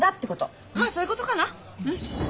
まあそういうことかな。